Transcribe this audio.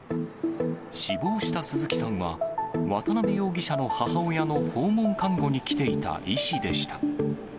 死亡した鈴木さんは、渡辺容疑者の母親の訪問看護に来ていた医師でした。